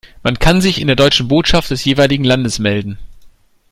Man kann sich in der deutschen Botschaft des jeweiligen Landes melden.